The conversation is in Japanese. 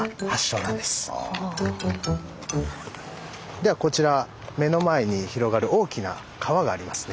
ではこちら目の前に広がる大きな川がありますね。